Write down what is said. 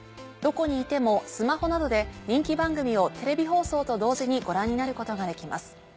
どこにいてもスマホなどで人気番組をテレビ放送と同時にご覧になることができます。